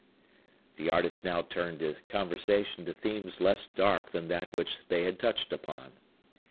The artist now turned the conversation to themes less dark than that which they had touched upon.